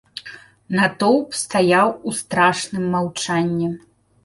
Натоўп стаяў у страшным маўчанні.